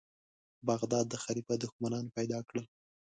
بغداد د خلیفه دښمنان پیدا کړل.